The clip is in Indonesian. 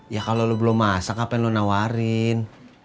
ya kalau lo belum masak apa yang lo nawarin